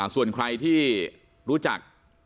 ส่วนใครที่รู้จัก